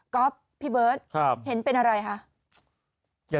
ก็พี่เบิร์ตเห็นเป็นอะไรคะ